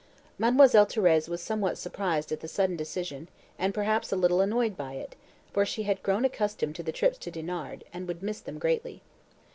Mademoiselle Thérèse was somewhat surprised at the sudden decision, and perhaps a little annoyed by it, for she had grown accustomed to the trips to Dinard, and would miss them greatly.